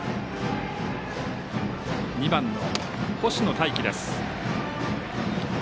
２番の星野泰輝です。